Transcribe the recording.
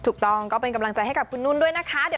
ก็เป็นกำลังใจให้กับคุณนุ่นด้วยนะคะ